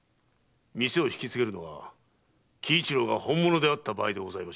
店を引き継げるのは喜一郎が本物であった場合でございます。